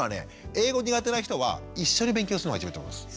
英語苦手な人は一緒に勉強するのが一番いいと思います。